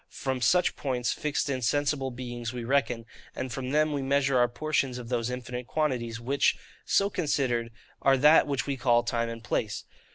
From such points fixed in sensible beings we reckon, and from them we measure our portions of those infinite quantities; which, so considered, are that which we call TIME and PLACE.